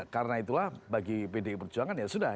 karena itulah bagi pde perjuangan ya sudah